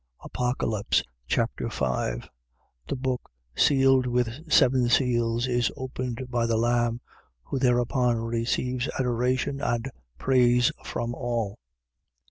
Apocalypse Chapter 5 The book sealed with seven seals is opened by the Lamb, who thereupon receives adoration and praise from all.